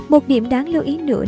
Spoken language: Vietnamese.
một điểm đáng lưu ý nữa